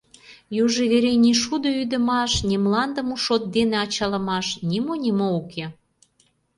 Южо вере ни шудо ӱдымаш, ни мландым у шот дене ачалымаш — нимо-нимо уке.